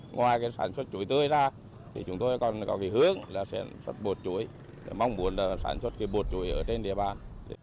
ngoài sản xuất chuối tươi ra chúng tôi còn có hướng là sản xuất bột chuối mong muốn sản xuất bột chuối ở trên địa bàn